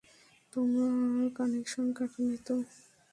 তোমার কানেকশন কাটেনি তো?